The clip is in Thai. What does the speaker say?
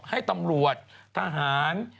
ให้ตำรวจทหาร